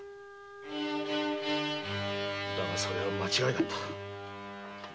だがそれは間違いだった。